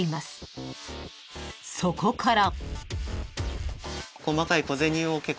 ［そこから］